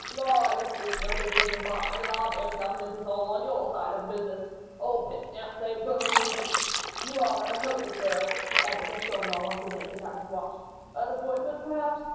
"La! you see it's no business of mine, and our demmed government is all on your side of the business. Old Pitt daren't say 'Bo' to a goose. You are in a hurry, sir," he added, as Chauvelin once again took out his watch; "an appointment, perhaps.